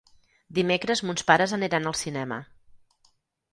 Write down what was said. Dimecres mons pares aniran al cinema.